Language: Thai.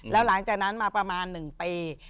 แล้วหลังจากนั้นมาประมาณ๑ปี